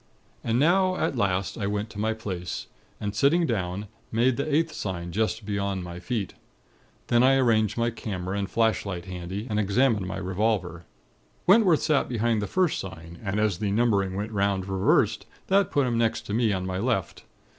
"And now at last, I went to my place, and, sitting down, made the Eighth sign just beyond my feet. Then I arranged my camera and flashlight handy, and examined my revolver. "Wentworth sat behind the First Sign, and as the numbering went 'round reversed, that put him next to me on my left.